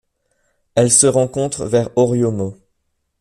Elle se rencontre vers Oriomo.